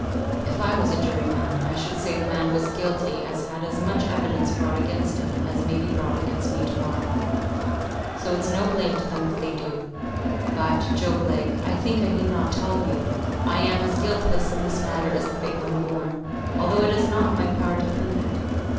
If I was a jury man, I should say the man was guilty as had as much evidence brought against him as may be brought against me to morrow. So it's no blame to them if they do. But, Job Legh, I think I need not tell you I am as guiltless in this matter as the babe unborn, although it is not in my power to prove it.